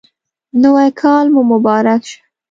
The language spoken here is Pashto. نوی کال مو مبارک شه